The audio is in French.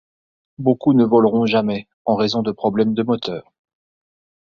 Beaucoup ne voleront jamais, en raison de problèmes de moteurs.